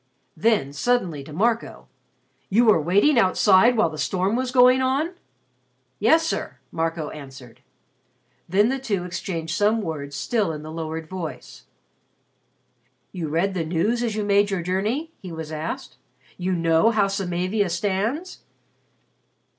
Then suddenly to Marco, "You were waiting outside while the storm was going on?" "Yes, sir," Marco answered. Then the two exchanged some words still in the lowered voice. "You read the news as you made your journey?" he was asked. "You know how Samavia stands?"